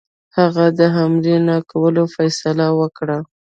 هغه د حملې نه کولو فیصله وکړه.